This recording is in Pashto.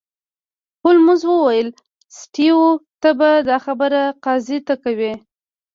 هولمز وویل سټیو ته به دا خبره قاضي ته کوې